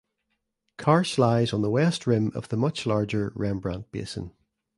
Karsh lies on the west rim of the much larger Rembrandt basin.